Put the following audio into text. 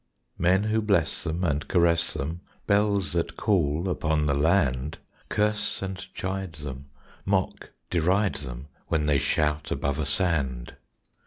_Men who bless them And caress them Bells that call upon the land Curse and chide them, Mock, deride them, When they shout above a sand.